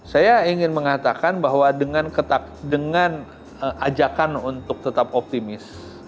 saya ingin mengatakan bahwa dengan ajakan untuk tetap optimis